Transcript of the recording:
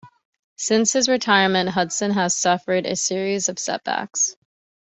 Since his retirement, Hudson has suffered a series of setbacks.